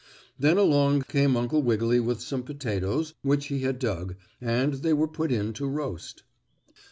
Then along came Uncle Wiggily with some potatoes which he had dug, and they were put in to roast.